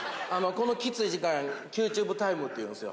このきつい時間がＱＴｕｂｅタイムって言うんですよ。